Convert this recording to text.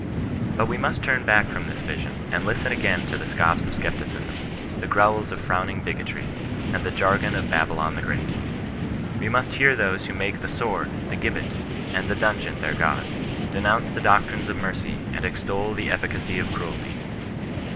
But we must turn back from this Tision, and listen again to the scoffs of scepticism, the growls of frowning bigotry, and the jargon of Babylon the great. We must hear those who make the sword, the gibbet, and the dun geon their gods, denounce the doctrines of mercy, and extol the efficacy of cruelty.